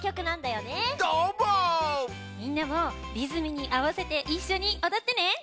みんなもリズムにあわせていっしょにおどってね！